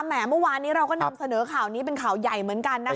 เมื่อวานนี้เราก็นำเสนอข่าวนี้เป็นข่าวใหญ่เหมือนกันนะคะ